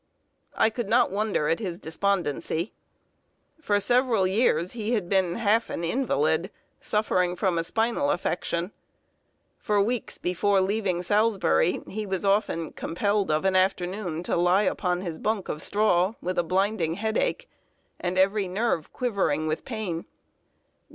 I could not wonder at his despondency. For several years he had been half an invalid, suffering from a spinal affection. For weeks before leaving Salisbury, he was often compelled, of an afternoon, to lie upon his bunk of straw with blinding headache, and every nerve quivering with pain.